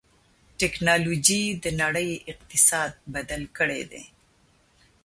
ټکنالوجي د نړۍ اقتصاد بدل کړی دی.